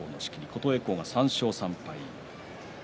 琴恵光、３勝３敗。